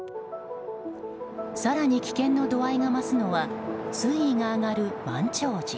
更に危険の度合いが増すのは水位が上がる満潮時。